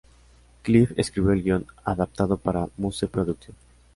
Cliff escribió el guión adaptado para Muse Productions.